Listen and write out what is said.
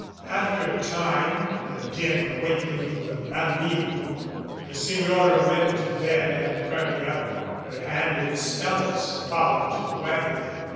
After a time, the din awakening the bambino, the Signora went to bed, and Hermia, her hand in Stella's, followed to the wagon.